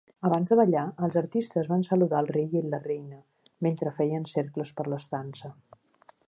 Abans de ballar, els artistes van saludar el rei i la reina mentre feien cercles per l'estança.